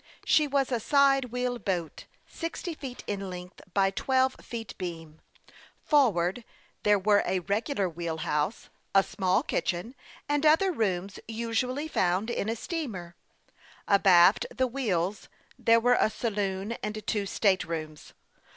She was a side wheel boat, sixty feet in length, by twelve feet beam. THE YOUNG PILOT OF LAKE CHAMPLAIN. 39 Forward there were a regular wheel house, a small kitchen, and other rooms usually found in a steamer. Abaft the wheels there were a saloon and two state rooms.